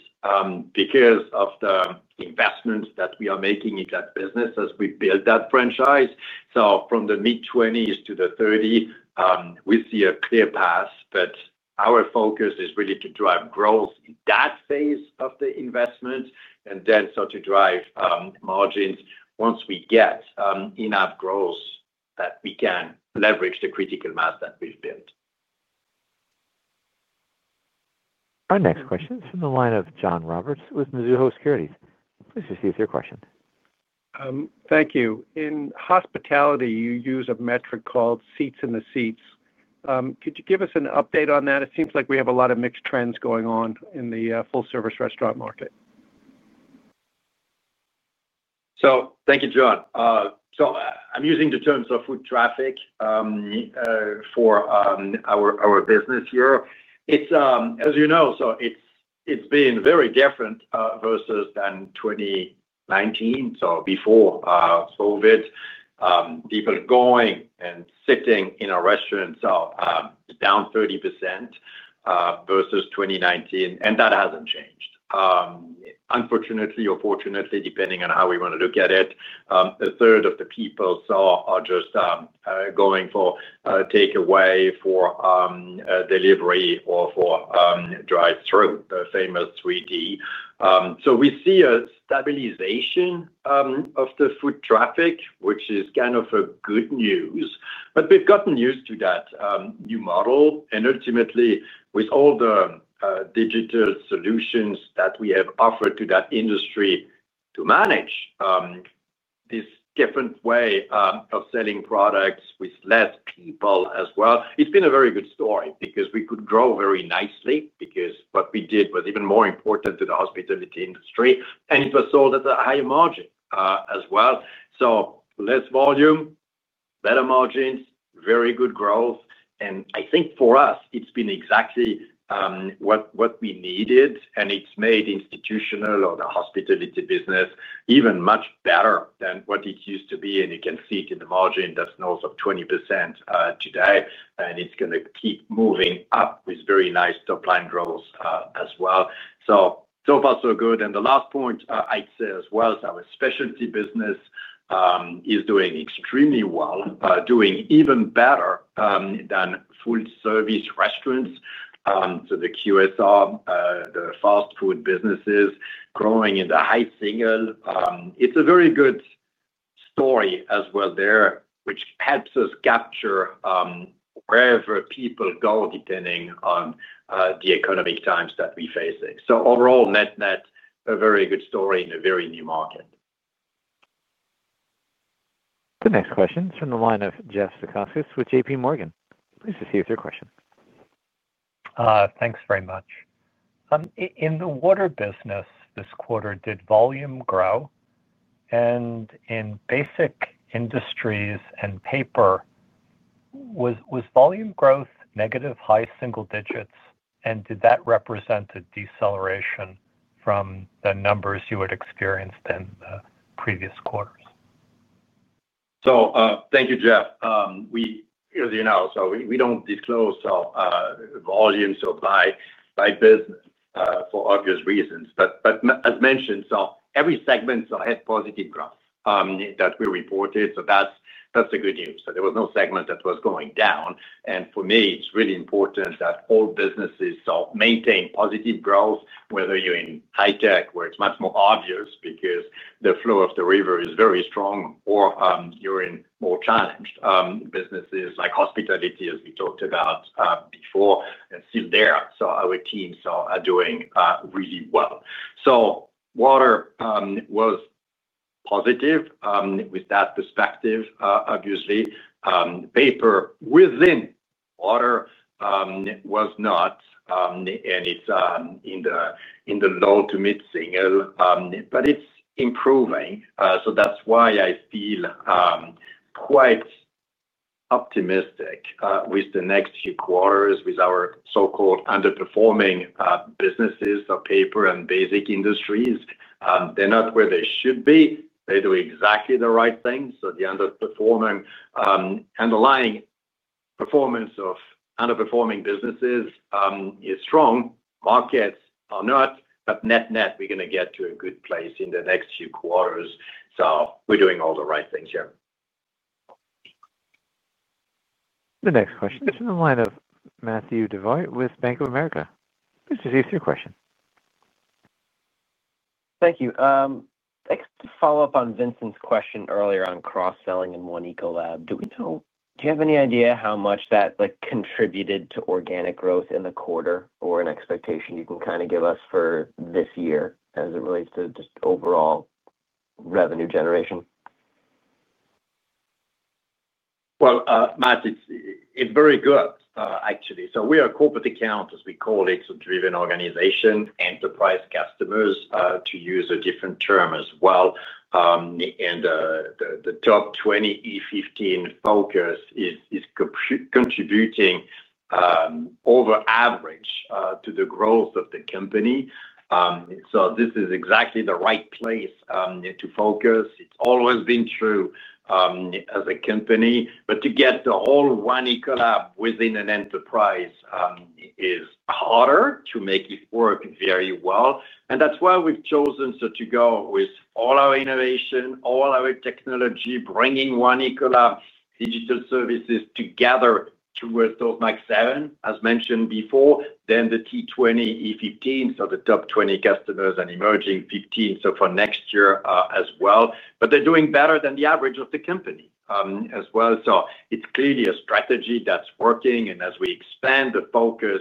because of the investments that we are making in that business as we build that franchise. From the mid-2020s to the 2030, we see a clear path, but our focus is really to drive growth in that phase of the investment and then to drive margins once we get enough growth that we can leverage the critical mass that we've built. Our next question is from the line of John Roberts with Mizuho Securities. Please proceed with your question. Thank you. In hospitality, you use a metric called seats in the seats. Could you give us an update on that? It seems like we have a lot of mixed trends going on in the full-service restaurant market. Thank you, John. I'm using the term food traffic for our business here. As you know, it's been very different versus 2019. Before COVID, people going and sitting in a restaurant, so down 30% versus 2019, and that hasn't changed. Unfortunately or fortunately, depending on how we want to look at it, a third of the people are just going for takeaway, for delivery, or for drive-through, the famous 3D. We see a stabilization of the food traffic, which is kind of good news. We've gotten used to that new model. Ultimately, with all the digital solutions that we have offered to that industry to manage this different way of selling products with less people as well, it's been a very good story because we could grow very nicely because what we did was even more important to the hospitality industry. It was sold at a higher margin as well. Less volume, better margins, very good growth. I think for us, it's been exactly what we needed. It's made Institutional or the hospitality business even much better than what it used to be. You can see it in the margin that's north of 20% today. It's going to keep moving up with very nice top line growth as well. So far, so good. The last point I'd say as well, our Specialty business is doing extremely well, doing even better than full-service restaurants. The QSR, the fast food business is growing in the high single. It's a very good story as well there, which helps us capture wherever people go, depending on the economic times that we're facing. Overall, net-net, a very good story in a very new market. The next question is from the line of Jeff Zekauskas with JPMorgan. Please proceed with your question. Thanks very much. In the water business this quarter, did volume grow? In basic industries and paper, was volume growth negative high single digits? Did that represent a deceleration from the numbers you had experienced in the previous quarters? Thank you, Jeff. As you know, we don't disclose volumes by business for obvious reasons. As mentioned, every segment had positive growth that we reported. That's the good news. There was no segment that was going down. For me, it's really important that all businesses maintain positive growth, whether you're in high tech, where it's much more obvious because the flow of the river is very strong, or you're in more challenged businesses like hospitality, as we talked about before, and still there. Our teams are doing really well. Water was positive with that perspective, obviously. Paper within water was not, and it's in the low to mid-single, but it's improving. That's why I feel quite optimistic with the next few quarters with our so-called underperforming businesses, paper and basic industries. They're not where they should be. They do exactly the right thing. The underperforming performance of underperforming businesses is strong. Markets are not, but net-net, we're going to get to a good place in the next few quarters. We're doing all the right things here. The next question is from the line of Matthew Devoit with Bank of America. Please proceed with your question. Thank you. I'd like to follow up on Vincent's question earlier on cross-selling in One Ecolab. Do you have any idea how much that contributed to organic growth in the quarter, or an expectation you can give us for this year as it relates to overall revenue generation? It is very good, actually. We are a corporate account, as we call it, so driven organization. Enterprise customers, to use a different term as well. The top 20 E15 focus is contributing over average to the growth of the company. This is exactly the right place to focus. It has always been true as a company. To get the whole One Ecolab within an enterprise is harder to make it work very well. That is why we have chosen to go with all our innovation, all our technology, bringing One Ecolab digital services together towards those max seven, as mentioned before, then the T20 E15, so the top 20 customers and emerging 15, for next year as well. They are doing better than the average of the company as well. It is clearly a strategy that is working. As we expand the focus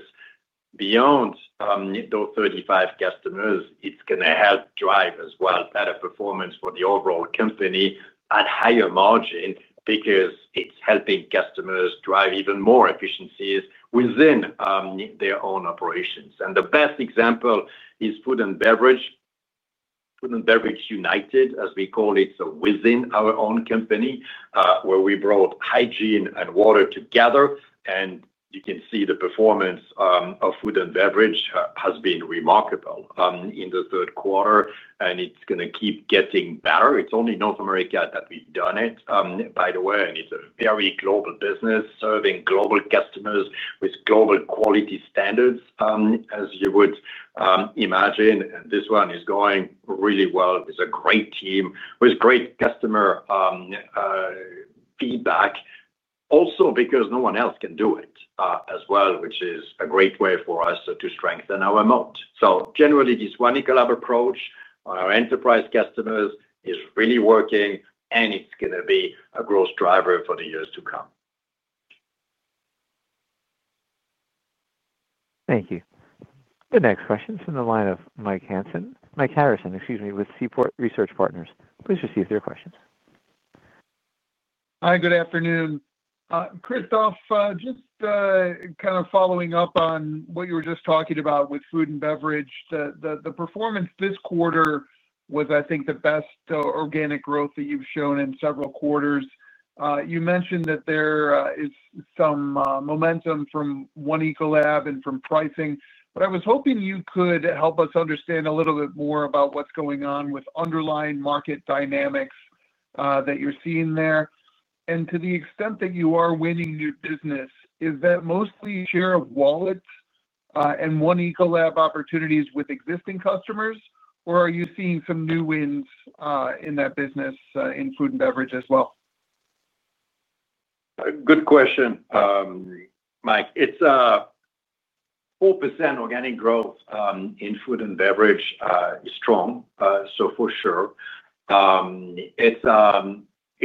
beyond those 35 customers, it is going to help drive better performance for the overall company at higher margin because it is helping customers drive even more efficiencies within their own operations. The best example is food and beverage. Food and beverage united, as we call it, within our own company, where we brought hygiene and water together. You can see the performance of food and beverage has been remarkable in the third quarter, and it is going to keep getting better. It is only in North America that we have done it, by the way, and it is a very global business serving global customers with global quality standards, as you would imagine. This one is going really well with a great team, with great customer feedback, also because no one else can do it as well, which is a great way for us to strengthen our moat. Generally, this One Ecolab approach on our enterprise customers is really working, and it is going to be a growth driver for the years to come. Thank you. The next question is from the line of Mike Harrison with Seaport Research Partners. Please proceed with your question. Hi, good afternoon. Christophe, just kind of following up on what you were just talking about with food and beverage, the performance this quarter was, I think, the best organic growth that you've shown in several quarters. You mentioned that there is some momentum from One Ecolab and from pricing. I was hoping you could help us understand a little bit more about what's going on with underlying market dynamics that you're seeing there. To the extent that you are winning new business, is that mostly share of wallets and One Ecolab opportunities with existing customers, or are you seeing some new wins in that business in food and beverage as well? Good question, Mike. It's 4% organic growth in food and beverage is strong, for sure.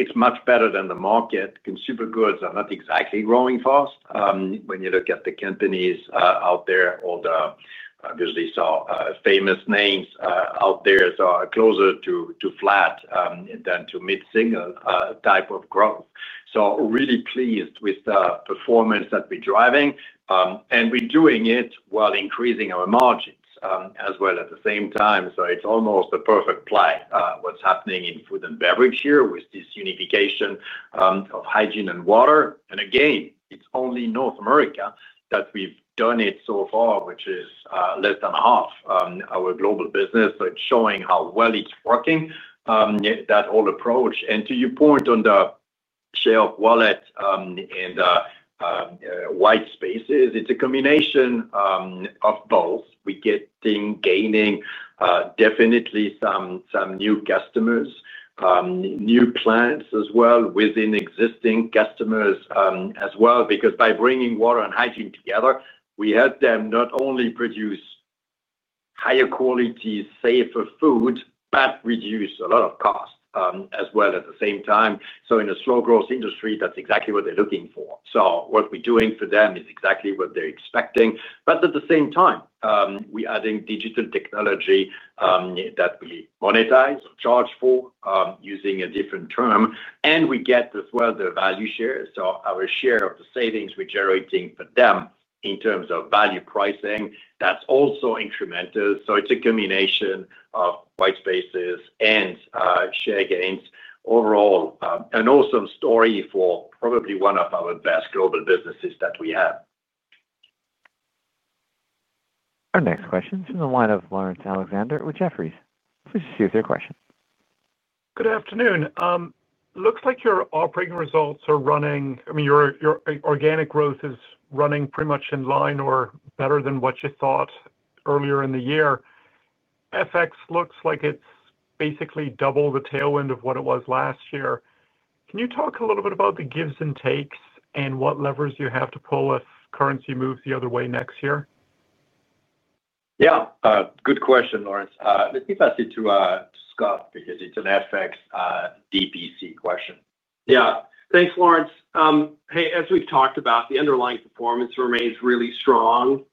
It's much better than the market. Consumer goods are not exactly growing fast when you look at the companies out there, all the obviously famous names out there. Closer to flat than to mid-single type of growth. Really pleased with the performance that we're driving. We're doing it while increasing our margins as well at the same time. It's almost a perfect play. What's happening in food and beverage here with this unification of hygiene and water. Again, it's only North America that we've done it so far, which is less than half our global business. It's showing how well it's working, that whole approach. To your point on the share of wallet and the white spaces, it's a combination of both. We're gaining definitely some new customers, new plants as well within existing customers as well. By bringing water and hygiene together, we help them not only produce higher quality, safer food, but reduce a lot of cost as well at the same time. In a slow-growth industry, that's exactly what they're looking for. What we're doing for them is exactly what they're expecting. At the same time, we're adding digital technology that we monetize or charge for, using a different term. We get as well the value share. Our share of the savings we're generating for them in terms of value pricing, that's also incremental. It's a combination of white spaces and share gains. Overall, an awesome story for probably one of our best global businesses that we have. Our next question is from the line of Lawrence Alexander with Jefferies. Please proceed with your question. Good afternoon. Looks like your operating results are running, I mean, your organic growth is running pretty much in line or better than what you thought earlier in the year. FX looks like it's basically double the tailwind of what it was last year. Can you talk a little bit about the gives and takes and what levers you have to pull if currency moves the other way next year? Yeah, good question, Lawrence. Let me pass it to Scott because it's an FX DPC question. Yeah, thanks, Lawrence. Hey, as we've talked about, the underlying performance remains really strong.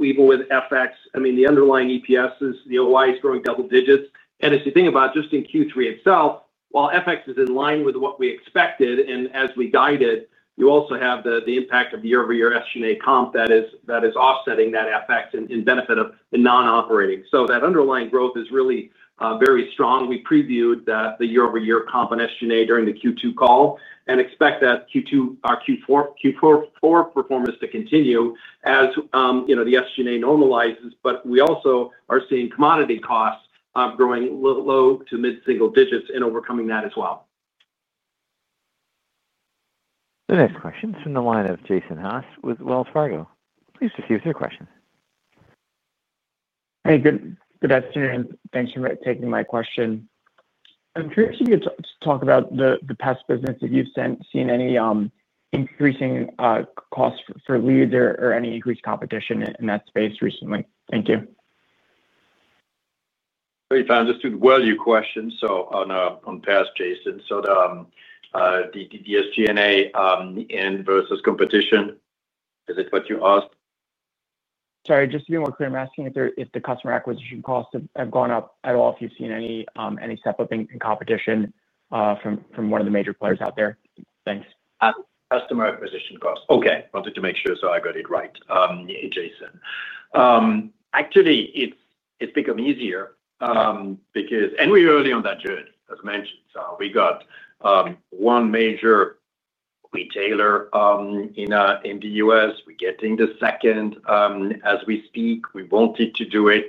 Even with FX, the underlying EPS is the OI is growing double-digits. If you think about just in Q3 itself, while FX is in line with what we expected, and as we guided, you also have the impact of the year-over-year SG&A comp that is offsetting that FX in benefit of the non-operating. That underlying growth is really very strong. We previewed the year-over-year comp on SG&A during the Q2 call and expect that our Q4 performance to continue as the SG&A normalizes. We also are seeing commodity costs growing low to mid-single digits and overcoming that as well. The next question is from the line of Jason Haas with Wells Fargo. Please proceed with your question. Hey, good afternoon. Thanks for taking my question. I'm curious if you could talk about the Pest Elimination business, if you've seen any increasing costs for leads or any increased competition in that space recently. Thank you. Hey, Tom, just to the value question, on past Jason, the SG&A end versus competition, is it what you asked? Sorry, just to be more clear, I'm asking if the customer acquisition costs have gone up at all, if you've seen any step up in competition from one of the major players out there. Thanks. Customer acquisition cost. Okay, I wanted to make sure I got it right, Jason. Actually, it's become easier because we're early on that journey, as I mentioned. We got one major retailer in the U.S. We're getting the second as we speak. We wanted to do it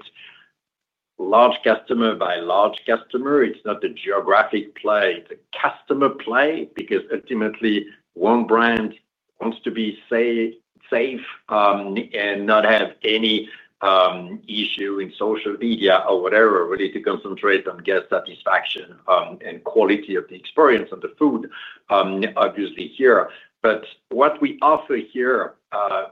large customer by large customer. It's not the geographic play. It's a customer play because ultimately, one brand wants to be safe and not have any issue in social media or whatever, really to concentrate on guest satisfaction and quality of the experience and the food, obviously here. What we offer here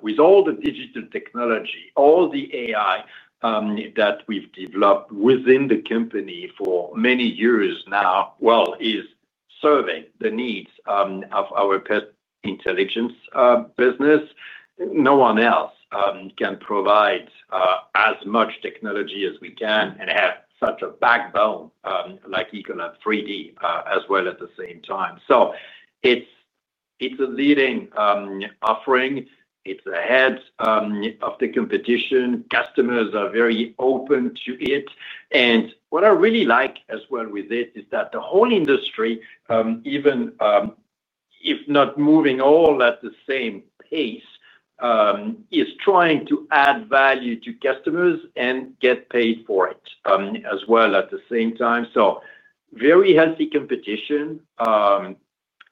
with all the digital technology, all the AI that we've developed within the company for many years now, is serving the needs of our Pest Intelligence business. No one else can provide as much technology as we can and have such a backbone like Ecolab 3D as well at the same time. It's a leading offering. It's ahead of the competition. Customers are very open to it. What I really like as well with it is that the whole industry, even if not moving all at the same pace, is trying to add value to customers and get paid for it as well at the same time. Very healthy competition, and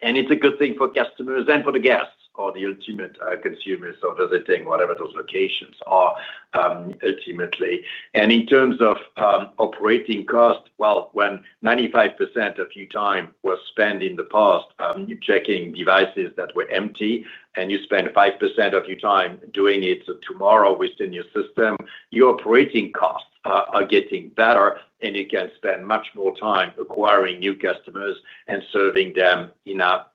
it's a good thing for customers and for the guests or the ultimate consumers visiting whatever those locations are ultimately. In terms of operating costs, when 95% of your time was spent in the past checking devices that were empty and you spend 5% of your time doing it tomorrow within your system, your operating costs are getting better, and you can spend much more time acquiring new customers and serving them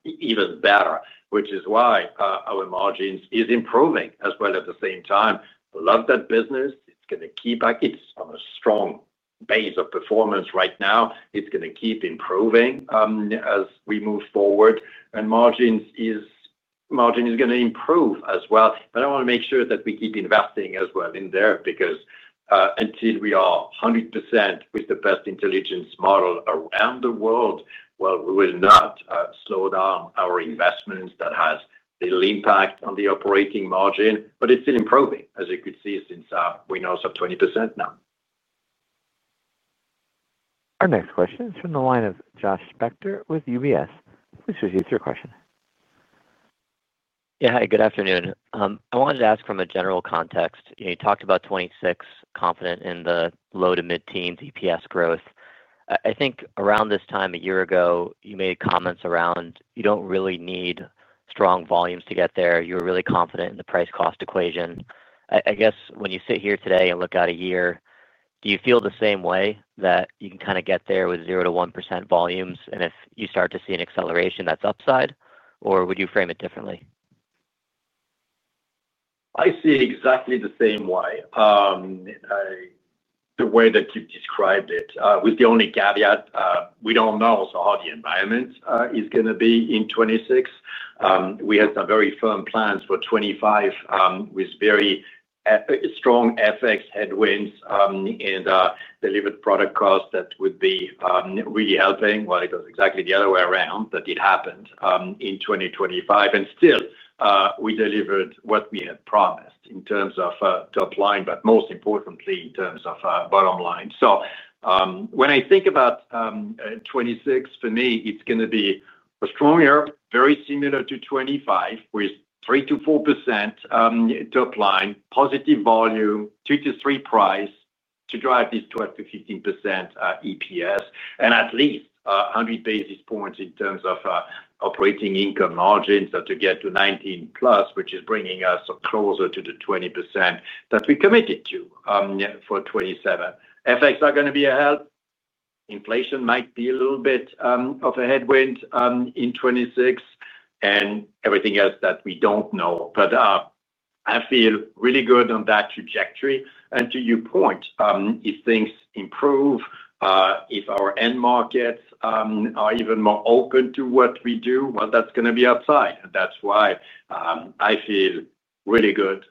even better, which is why our margins are improving as well at the same time. I love that business. It's going to keep back. It's on a strong base of performance right now. It's going to keep improving as we move forward. Margin is going to improve as well. I want to make sure that we keep investing as well in there because until we are 100% with the best intelligence model around the world, we will not slow down our investments that have little impact on the operating margin. It's still improving, as you could see, since we're now sub 20% now. Our next question is from the line of Josh Spector with UBS. Please proceed with your question. Yeah, hi, good afternoon. I wanted to ask from a general context. You talked about 2026, confident in the low to mid-teens EPS growth. I think around this time a year ago, you made comments around you don't really need strong volumes to get there. You were really confident in the price-cost equation. I guess when you sit here today and look out a year, do you feel the same way that you can kind of get there with 0%-1% volumes? If you start to see an acceleration, that's upside? Would you frame it differently? I see exactly the same way, the way that you described it, with the only caveat, we don't know how the environment is going to be in 2026. We had some very firm plans for 2025 with very strong FX headwinds and delivered product costs that would be really helping. It was exactly the other way around that it happened in 2025. We delivered what we had promised in terms of top line, but most importantly, in terms of bottom line. When I think about 2026, for me, it's going to be a strong year, very similar to 2025, with 3% -4% top line, positive volume, 2%-3%% price to drive this 12%-15% EPS, and at least 100 basis points in terms of operating income margins to get to 19%+, which is bringing us closer to the 20% that we committed to for 2027. FX are going to be ahead. Inflation might be a little bit of a headwind in 2026, and everything else that we don't know. I feel really good on that trajectory. To your point, if things improve, if our end markets are even more open to what we do, that's going to be upside. That's why I feel really good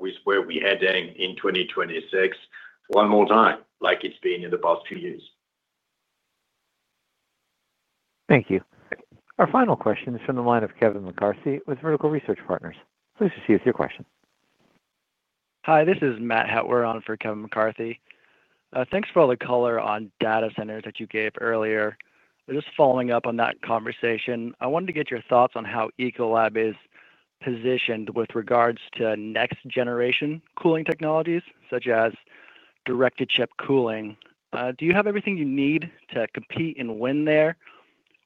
with where we're heading in 2026, one more time, like it's been in the past few years. Thank you. Our final question is from the line of Kevin McCarthy with Vertical Research Partners. Please proceed with your question. Hi, this is Matt Hauer on for Kevin McCarthy. Thanks for all the color on data centers that you gave earlier. Just following up on that conversation, I wanted to get your thoughts on how Ecolab is positioned with regards to next-generation cooling technologies such as directed chip cooling. Do you have everything you need to compete and win there,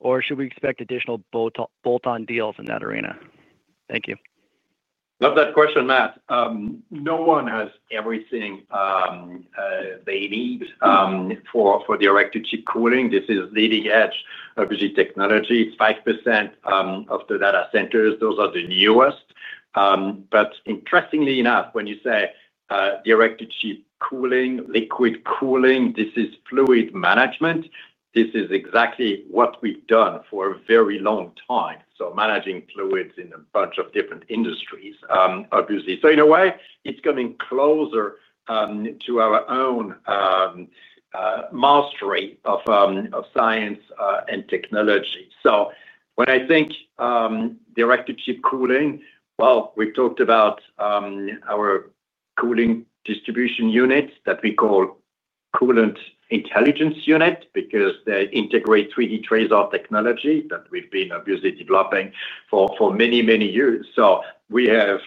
or should we expect additional bolt-on deals in that arena? Thank you. Love that question, Matt. No one has everything they need for directed chip cooling. This is leading-edge technology. It's 5% of the data centers. Those are the newest. Interestingly enough, when you say directed chip cooling, liquid cooling, this is fluid management. This is exactly what we've done for a very long time, managing fluids in a bunch of different industries, obviously. In a way, it's coming closer to our own mastery of science and technology. When I think directed chip cooling, we've talked about our cooling distribution units that we call coolant intelligence unit because they integrate 3D tracer technology that we've been developing for many, many years. We have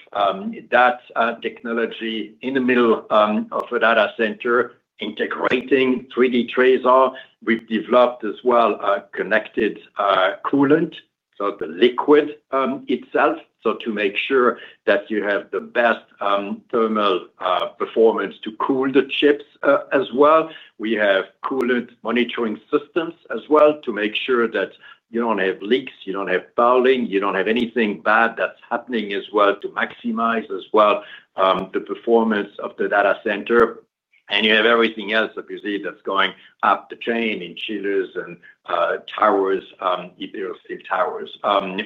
that technology in the middle of a data center integrating 3D tracer. We've developed as well a connected coolant, so the liquid itself, to make sure that you have the best thermal performance to cool the chips as well. We have coolant monitoring systems as well to make sure that you don't have leaks, you don't have bounding, you don't have anything bad that's happening as well to maximize the performance of the data center. You have everything else, obviously, that's going up the chain in chillers and towers, ethyl towers on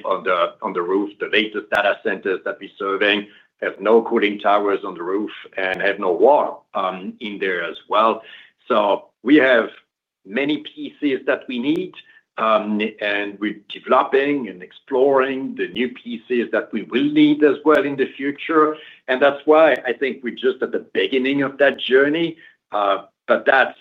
the roof. The latest data centers that we're serving have no cooling towers on the roof and have no water in there as well. We have many pieces that we need, and we're developing and exploring the new pieces that we will need as well in the future. That's why I think we're just at the beginning of that journey. That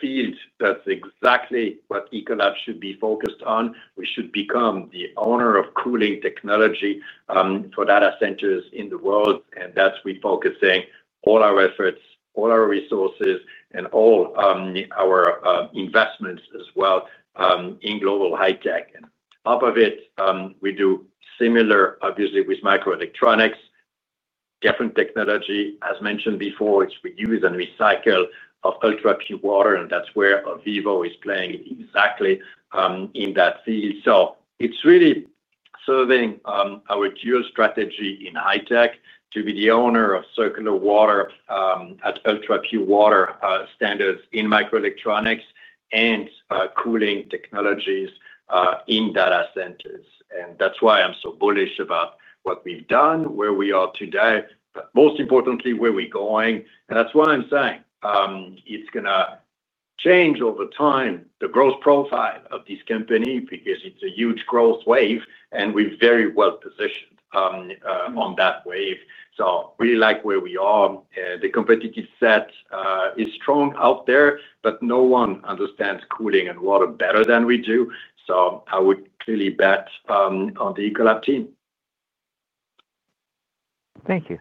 field is exactly what Ecolab should be focused on. We should become the owner of cooling technology for data centers in the world. That's where we're focusing all our efforts, all our resources, and all our investments as well in Global High-Tech. On top of it, we do similar, obviously, with microelectronics, different technology, as mentioned before, which we use and recycle of ultra-pure water. That's where AVEVA Electronics is playing exactly in that field. It's really serving our dual strategy in high tech to be the owner of circular water at ultra-pure water standards in microelectronics and cooling technologies in data centers. That's why I'm so bullish about what we've done, where we are today, but most importantly, where we're going. That's why I'm saying it's going to change over time, the growth profile of this company because it's a huge growth wave, and we're very well-positioned on that wave. I really like where we are. The competitive set is strong out there, but no one understands cooling and water better than we do. I would clearly bet on the Ecolab team. Thank you.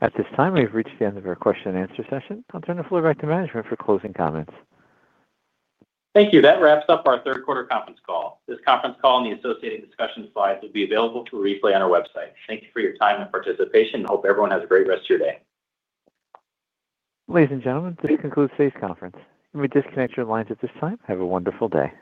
At this time, we've reached the end of our question-and-answer session. I'll turn the floor back to management for closing comments. Thank you. That wraps up our third quarter conference call. This conference call and the associated discussion slides will be available for a replay on our website. Thank you for your time and participation, and I hope everyone has a great rest of your day. Ladies and gentlemen, this concludes today's conference. You may disconnect your lines at this time. Have a wonderful day.